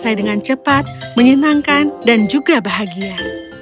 selesai dengan cepat menyenangkan dan juga bahagia